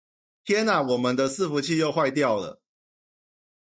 天啊！我們的伺服器又壞掉了